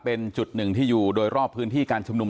เป็นจุดหนึ่งที่อยู่โดยรอบพื้นที่การชุมนุม